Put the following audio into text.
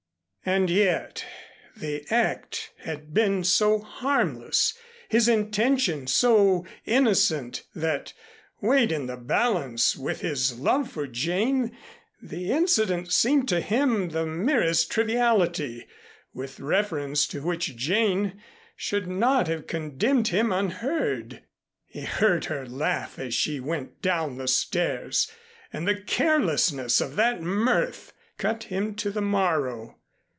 And yet the act had been so harmless, his intention so innocent, that, weighed in the balance with his love for Jane, the incident seemed to him the merest triviality, with reference to which Jane should not have condemned him unheard. He heard her laugh as she went down the stairs, and the carelessness of that mirth cut him to the marrow.